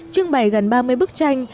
trưng bày gần ba mươi bức tranh